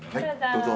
どうぞ。